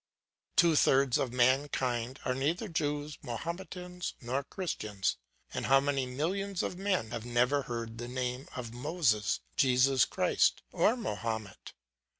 "Two thirds of mankind are neither Jews, Mahometans, nor Christians; and how many millions of men have never heard the name of Moses, Jesus Christ, or Mahomet?